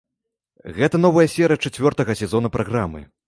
Гэта новая серыя чацвёртага сезону праграмы.